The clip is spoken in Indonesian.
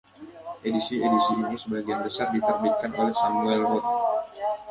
Edisi-edisi ini sebagian besar diterbitkan oleh Samuel Roth.